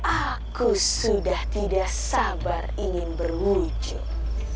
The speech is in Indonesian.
aku sudah tidak sabar ingin berwujung